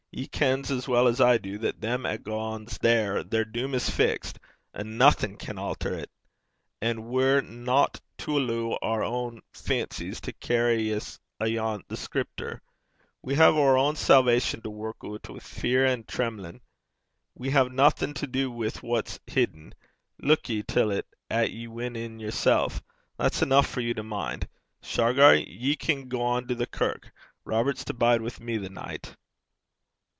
Ye ken as weel 's I du that them 'at gangs there their doom is fixed, and noething can alter 't. An' we're not to alloo oor ain fancies to cairry 's ayont the Scripter. We hae oor ain salvation to work oot wi' fear an' trimlin'. We hae naething to do wi' what's hidden. Luik ye till 't 'at ye win in yersel'. That's eneuch for you to min'. Shargar, ye can gang to the kirk. Robert's to bide wi' me the nicht.'